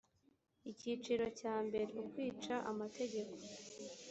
icyiciro cya mbere ukwica amategeko